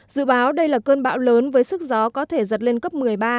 dự báo đây là cơn bão lớn với sức gió có thể giật lên cấp một mươi ba